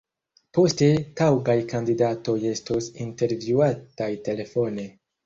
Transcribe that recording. Poste taŭgaj kandidatoj estos intervjuataj telefone.